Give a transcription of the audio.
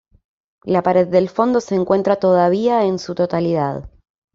La pared del fondo se encuentra todavía en su totalidad.